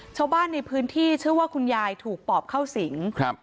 ชาวบ้านในพื้นที่เชื่อว่าคุณยายถูกปอบเข้าสิงครับ